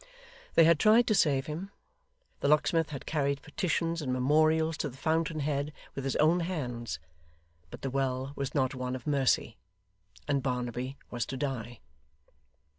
They had tried to save him. The locksmith had carried petitions and memorials to the fountain head, with his own hands. But the well was not one of mercy, and Barnaby was to die.